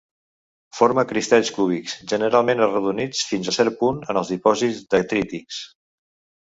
Forma cristalls cúbics, generalment arrodonits fins a cert punt en els dipòsits detrítics.